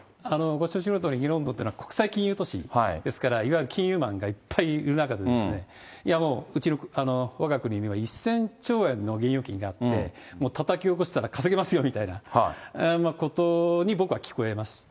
ご承知のとおり、ロンドンっていうのは国際金融都市、いわゆる金融マンがいっぱいいる中で、いやもう、わが国には１０００兆円の現預金があって、たたき起こしたら稼ぎますよみたいなことに、僕は聞こえましたね。